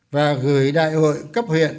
và gửi đại hội cấp huyện